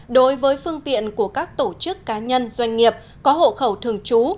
đối với phương tiện của các tổ chức cá nhân doanh nghiệp có hộ khẩu thường trú